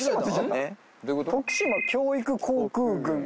「徳島教育航空群」